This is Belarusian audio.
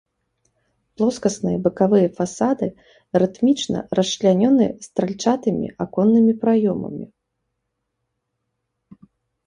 Плоскасныя бакавыя фасады рытмічна расчлянёны стральчатымі аконнымі праёмамі.